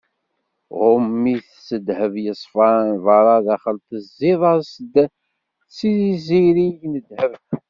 Ɣumm-it s ddheb yeṣfan, beṛṛa, daxel tezziḍ-as-d s izirig n ddheb.